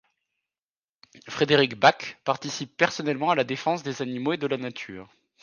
Frédéric Back participe personnellement à la défense des animaux et de la nature.